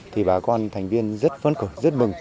thì bà con thành viên rất phấn khởi rất mừng